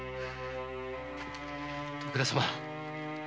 徳田様